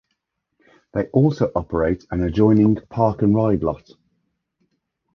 They also operate an adjoining park and ride lot.